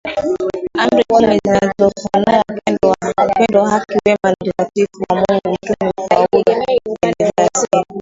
Amri kumi zinafunua Upendo haki wema na Utakatifu wa Mungu Mtume Paulo akielezea asili